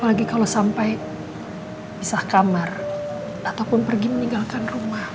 apalagi kalau sampai bisa kamar ataupun pergi meninggalkan rumah